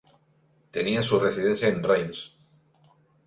Tenía su residencia en Reims.